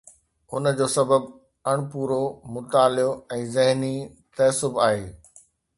ان جو سبب اڻپورو مطالعو ۽ ذهني تعصب آهي.